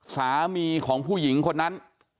สามีของผู้หญิงคนนั้น